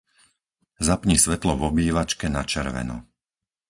Zapni svetlo v obývačke na červeno.